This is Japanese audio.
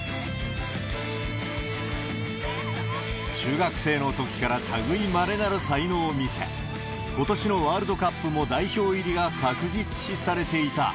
中学生のときからたぐいまれなる才能を見せ、ことしのワールドカップも代表入りが確実視されていた。